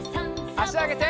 あしあげて。